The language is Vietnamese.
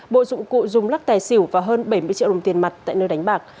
bộ dụng cụ dùng lắc tài xỉu và hơn bảy mươi triệu đồng tiền mặt tại nơi đánh bạc